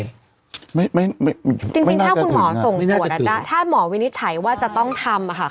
จริงถ้าคุณหมอส่งตรวจถ้าหมอวินิจฉัยว่าจะต้องทำ